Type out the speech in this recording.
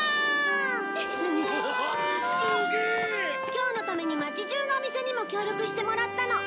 今日のために街中のお店にも協力してもらったの。